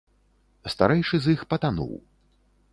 Старэйшы з іх патануў.